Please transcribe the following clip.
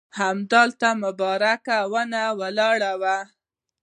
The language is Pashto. همدلته مبارکه ونه ولاړه ده.